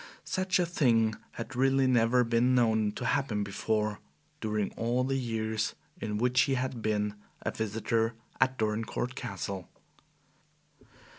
Such a thing had really never been known to happen before during all the years in which he had been a visitor at Dorincourt Castle.